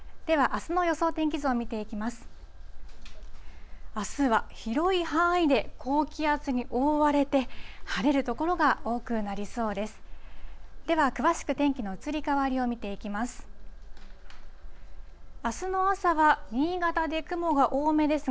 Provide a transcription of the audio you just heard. あすは広い範囲で高気圧に覆われて、晴れる所が多くなりそうです。